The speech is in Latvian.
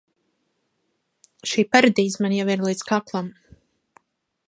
Šī paradīze man jau ir līdz kaklam!